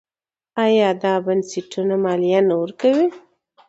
آیا دا بنسټونه مالیه نه ورکوي؟